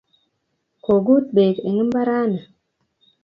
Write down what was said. kogut beek eng' mbaranni